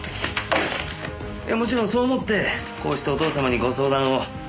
いやもちろんそう思ってこうしてお父様にご相談を。